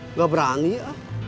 nggak berani ah